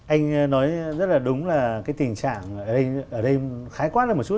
anh nói rất là đúng là cái tình trạng ở đây khái quát lại một chút